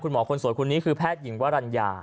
คุณหมอคนสวยคนนี้แพทย์หญิงวรรณยา